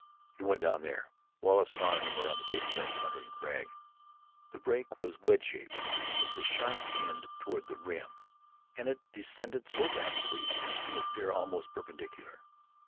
"He went down here. Wallace saw him round the base of that tottering crag." The break was wedge shaped, with the sharp end off toward the rim, and it descended so rapidly as to appear almost perpendicular.